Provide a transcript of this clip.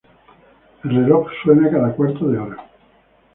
El reloj suena cada cuarto de hora.